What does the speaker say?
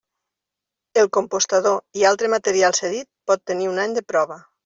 El compostador i altre material cedit pot tenir un any de prova.